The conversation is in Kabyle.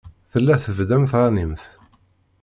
Tella tbedd am tɣanimt.